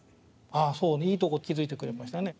あそういいとこ気付いてくれましたね。